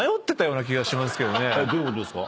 どういうことですか？